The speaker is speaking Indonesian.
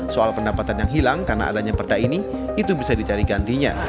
soal pendapatan yang hilang karena adanya perda ini itu bisa dicari gantinya